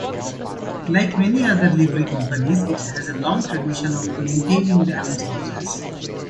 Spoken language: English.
Like many other Livery Companies, it has a long tradition of maintaining almshouses.